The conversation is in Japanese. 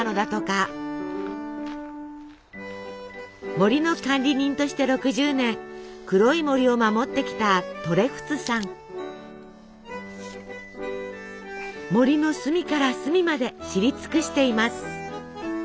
森の管理人として６０年黒い森を守ってきた森の隅から隅まで知り尽くしています。